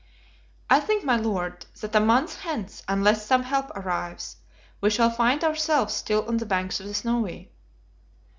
"I think, my Lord, that a month hence, unless some help arrives, we shall find ourselves still on the banks of the Snowy."